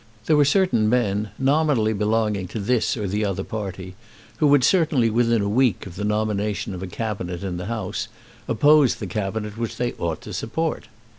There were certain men, nominally belonging to this or to the other party, who would certainly within a week of the nomination of a Cabinet in the House, oppose the Cabinet which they ought to support.